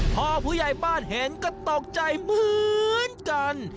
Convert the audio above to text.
พอผู้ใหญ่บ้านเห็นก็ตกใจเหมือนกัน